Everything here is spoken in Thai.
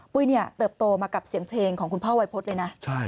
ปุ้ยเนี่ยเติบโตมากับเสียงเพลงของคุณพ่อวัยพฤษเลยนะ